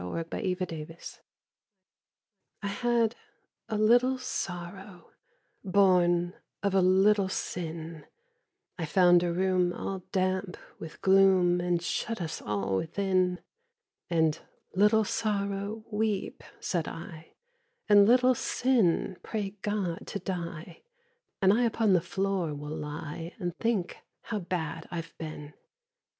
63 The Penitent I had a little Sorrow, Born of a little Sin, I found a room all damp with gloom And shut us all within; And, "Little Sorrow, weep," said I, "And, Little Sin, pray God to die, And I upon the floor will lie And think how bad I've been!"